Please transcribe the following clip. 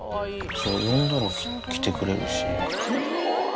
呼んだら来てくれるし。